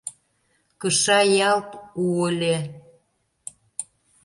Кыша ялт у ыле.